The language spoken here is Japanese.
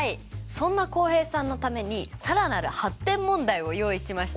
そんな浩平さんのために更なる発展問題を用意しましたよ。